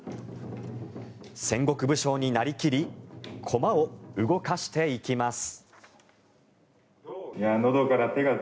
戦国武将になりきり駒を動かしていきます。